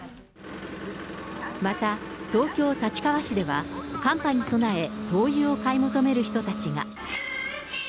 また、東京・立川市では寒波に備え、灯油を買い求める人たちが。